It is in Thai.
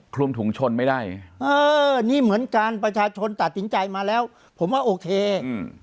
คลุมถุงชนไม่ได้เออนี่เหมือนกันประชาชนตัดสินใจมาแล้วผมว่าโอเคอืม